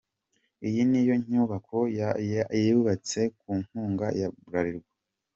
Iyi niyo nyubako yubatse ku nkunga ya Bralirwa.